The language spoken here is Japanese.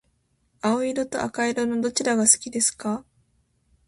青色と赤色のどちらが好きですか？